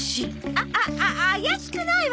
あああ怪しくないわよ